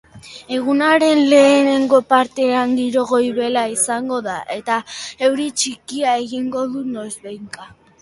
Egunaren lehenengo partean giroa goibela izango da eta euri txikia egingo du noizbehinka.